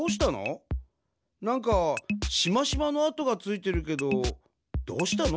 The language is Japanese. なんかしましまの跡がついてるけどどうしたの？